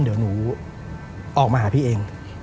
เดี๋ยวหนูออกมาหาพี่เอง